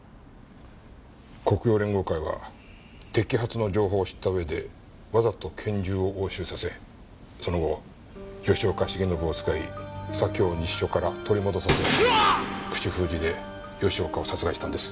黒洋連合会は摘発の情報を知った上でわざと拳銃を押収させその後吉岡繁信を使い左京西署から取り戻させ口封じで吉岡を殺害したんです。